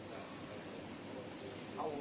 สวัสดีครับ